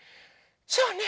そうね。